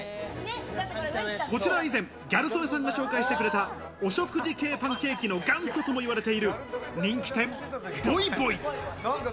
こちらは、以前、ギャル曽根さんが紹介してくれたお食事系パンケーキの元祖とも言われている人気店・ＶｏｉＶｏｉ。